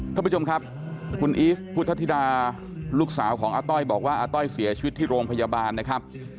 ท่านผู้ชมครับคุณอีฟพุทธธิดาลูกสาวของอาต้อยบอกว่าอาต้อยเสียชีวิตที่โรงพยาบาลนะครับ